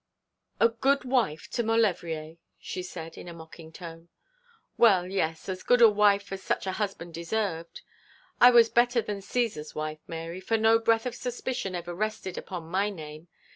'A good wife to Maulevrier,' she said, in a mocking tone. Well, yes, as good a wife as such a husband deserved. 'I was better than Cæsar's wife, Mary, for no breath of suspicion ever rested upon my name.